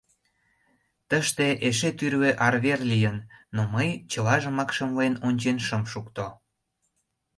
Тыште эше тӱрлӧ арвер лийын, но мый чылажымак шымлен ончен шым шукто.